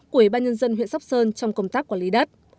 của ủy ban nhân dân huyện sóc sơn trong công tác quản lý đất